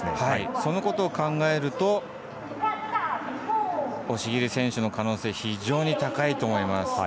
そのことを考えると押切選手の可能性非常に高いと思います。